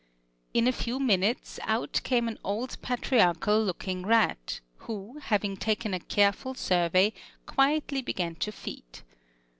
In a few minutes out came an old patriarchal looking rat, who, having taken a careful survey, quietly began to feed.